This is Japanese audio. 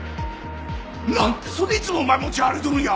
なんでそれいつもお前持ち歩いとるんや！